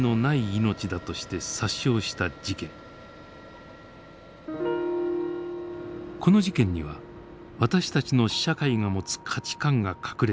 この事件には私たちの社会が持つ価値観が隠れているのではないか。